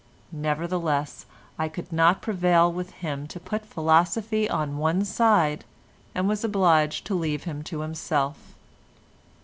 Nevertheless I could not prevail with him to put philosophy on one side, and was obliged to leave him to himself.